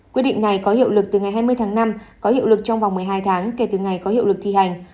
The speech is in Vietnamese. quyết định này có hiệu lực từ ngày hai mươi tháng năm có hiệu lực trong vòng một mươi hai tháng kể từ ngày có hiệu lực thi hành